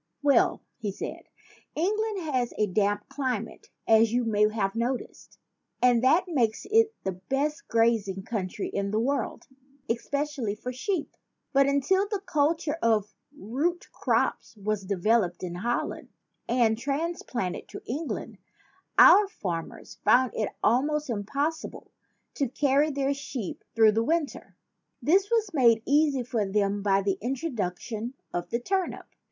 "Well," he said, "England has a damp cli mate, as you may have noticed; and that makes it the best grazing country in the world es pecially for sheep. But until the culture of root crops was developed in Holland and trans planted to England, our farmers found it almost impossible to carry their sheep through the winter. This was made easy for them by the introduction of the turnip.